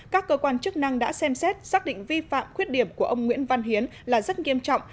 các cơ quan chức năng đã xem xét xác định vi phạm khuyết điểm của ông nguyễn văn hiến là rất nghiêm trọng